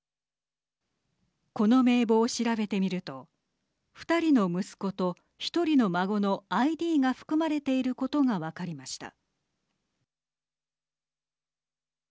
この名簿を調べてみると２人の息子と１人の孫のＩＤが含まれていることが分かりました。